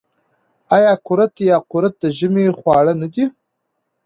آیا کورت یا قروت د ژمي خواړه نه دي؟